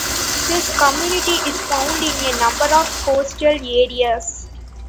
This community is found in a number of coastal areas.